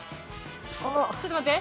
ちょっと待って。